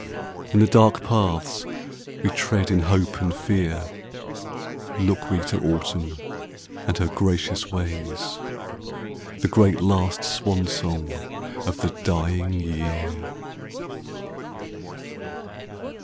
In the dark paths we tread in hope and fear Look we to Autumn and her gracious ways, The great last swan song of the dying year.